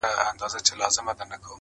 • ماته دا عجیبه ښکاره سوه ,